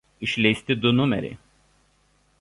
Išleisti du numeriai.